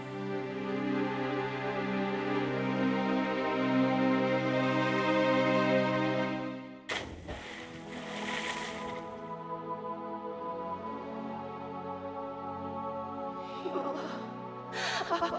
terima kasih ratu